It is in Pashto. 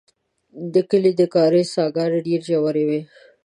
د کلي د کاریز څاګان ډېر ژور وو.